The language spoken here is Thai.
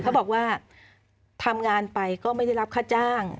เขาบอกว่าทำงานไปก็ไม่ได้รับค่าจ้าง